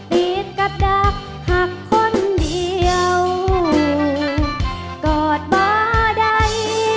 ปีนกับดักหักคนเดียวกอดบ่ใด